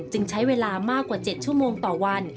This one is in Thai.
ใช้เวลามากกว่า๗ชั่วโมงต่อวัน